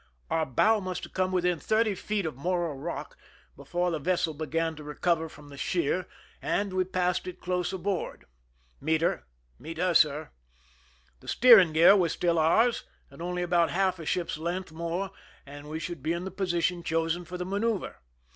Our bow must have come within thirty feet of Morro rock before the vessel began to recover from the sheer, and we passed it close aboard. ^'Meet her!" "Meet her, sir." The steering gear was still ours, and only about half a ship's length more and we should be in the position chosen for the manoeuver.